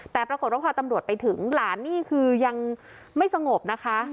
แต่ปรากฏว่าพอตำรวจไปถึงหลานนี่คือยังไม่สงบนะคะ